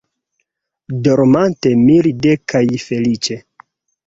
Dormante milde kaj feliĉe!